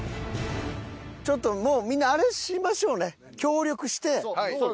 ちょっともうみんなあれしましょうね。